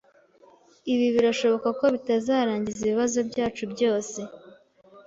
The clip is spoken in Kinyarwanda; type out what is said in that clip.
Ibi birashoboka ko bitazarangiza ibibazo byacu byose.